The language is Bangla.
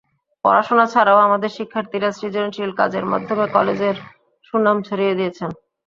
পড়াশোনা ছাড়াও আমাদের শিক্ষার্থীরা সৃজনশীল কাজের মাধ্যমে কলেজের সুনাম ছড়িয়ে দিয়েছেন।